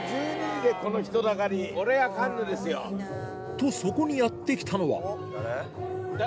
とそこにやって来たのは誰？